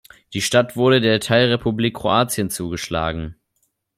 Die Stadt wurde der Teilrepublik Kroatien zugeschlagen.